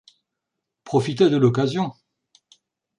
Profitez de l’occasion.